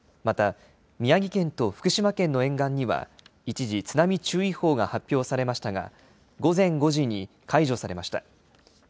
また、宮城県と福島県の沿岸には一時、津波注意報が発表されましたが午前５時に解除されました。